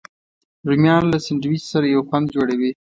رومیان له سنډویچ سره یو خوند جوړوي